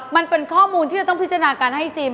มันเป็นข้อมูลที่จะต้องพิจารณาการให้ซิม